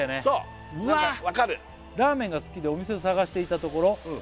そう何か分かる「ラーメンが好きでお店を探していたところ」